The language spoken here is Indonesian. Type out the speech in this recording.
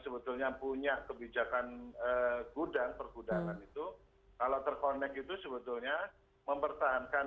sebetulnya punya kebijakan gudang pergudangan itu kalau terkonek itu sebetulnya mempertahankan